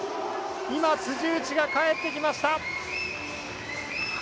今、辻内が帰ってきました。